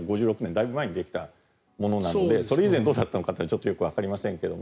だいぶ前にできたものなのでそれ以前どうだったのかはわかりませんが。